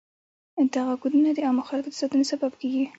دغه کودونه د عامو خلکو د ساتنې سبب کیږي.